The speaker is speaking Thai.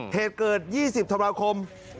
เหตุเกิด๒๐ธรรมคม